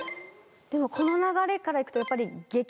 でもこの流れから行くとやっぱり。